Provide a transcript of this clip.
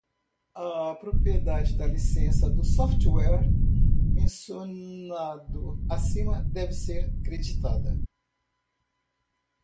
A propriedade da licença do software mencionado acima deve ser creditada.